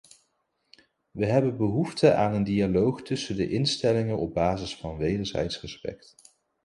We hebben behoefte aan een dialoog tussen de instellingen op basis van wederzijds respect.